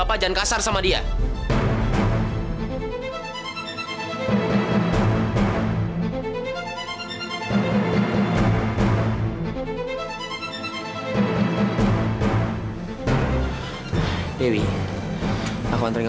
akang cuma mau nyari duit wi